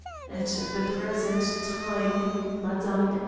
At the present time Mme.